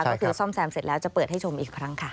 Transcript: ก็คือซ่อมแซมเสร็จแล้วจะเปิดให้ชมอีกครั้งค่ะ